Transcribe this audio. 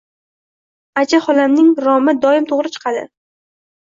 Acha xolamning romi doim to‘g‘ri chiqadi.